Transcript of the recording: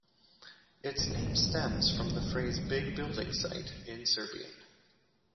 Its name stems from the phrase "big building site" in Serbian.